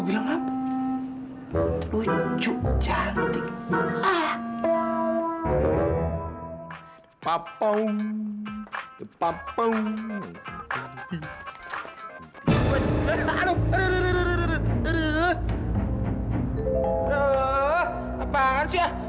nona mau pergi kemana ya